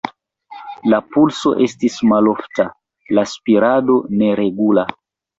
La pulso estis malofta, la spirado neregula.